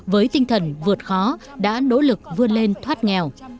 với tinh thần vượt khó đã nỗ lực vươn lên thoát nghèo